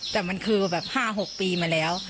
แต่มันคือแบบ๕๖ปีมาแล้ว